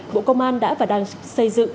bộ công an đã và đang xây dựng